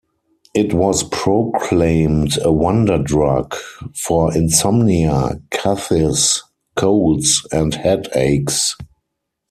It was proclaimed a "wonder drug" for insomnia, coughs, colds and headaches.